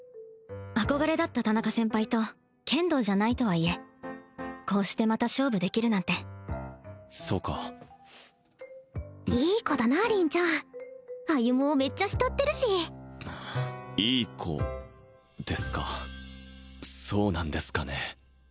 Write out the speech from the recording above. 憧れだった田中先輩と剣道じゃないとはいえこうしてまた勝負できるなんてそうかいい子だな凛ちゃん歩をめっちゃ慕ってるしいい子ですかそうなんですかね？